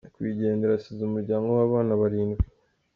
Nyakwigendera asize umuryango w'abana barindwi.